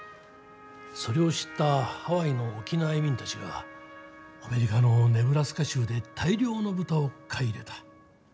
それを知ったハワイの沖縄移民たちがアメリカのネブラスカ州で大量の豚を買い入れた。